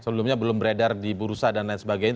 sebelumnya belum beredar di bursa dan lain sebagainya